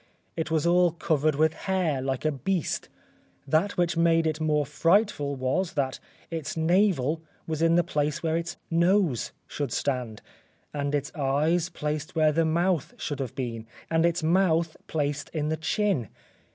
It was all covered with hair like a beast. That which made it more frightful was, that its navel was in the place where its nose should stand, and its eyes placed where the mouth should have been, and its mouth placed in the chin.